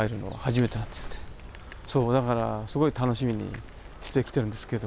そうだからすごい楽しみにしてきてるんですけど。